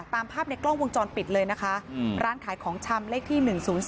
ตามภาพในกล้องวงจรปิดเลยนะคะร้านขายของชำเลขที่๑๐๔